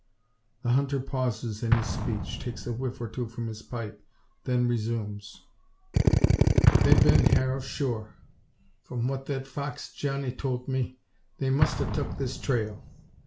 The hunter pauses in his speech, takes a whiff or two from his pipe, then resumes: "They've been hyar sure. From what thet fox, Johnny, tolt me, they must a tuk this trail.